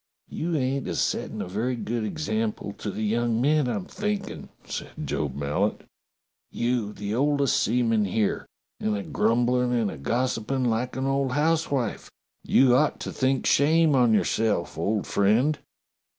"You ain't a settin' a very good example to the young men, I'm thinkin'," said Job Mallet. "You, the oldest seaman here, and a grumblin' and a gossipin' like an old housewife. You ought to think shame on yourself, old friend."